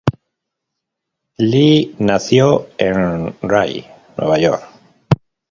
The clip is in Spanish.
Lee nació en Rye, Nueva York.